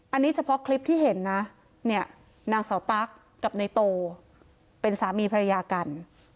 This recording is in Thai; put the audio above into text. อันนี้เฉพาะคลิปที่เห็นนะเนี่ยนางเสาตั๊กกับในโตเป็นสามีภรรยากัน